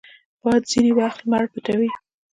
باد ځینې وخت لمر پټوي